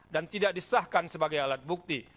dan tidak diserahkan sebagai alat bukti